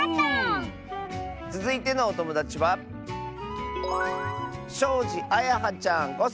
つづいてのおともだちはあやはちゃんの。